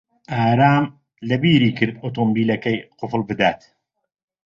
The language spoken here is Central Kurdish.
ئارام لەبیری کرد ئۆتۆمۆبیلەکەی قوفڵ بدات.